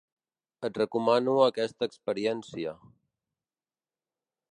Et recomano aquesta experiència.